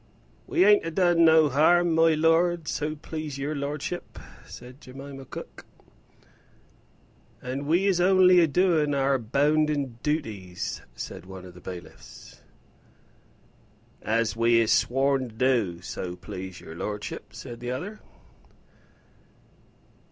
"We ain't a done no harm, my lord, so please your lordship," said Jemima cook. "And we is only a doing our bounden dooties," said one of the bailiffs. "As we is sworn to do, so please your lordship," said the other.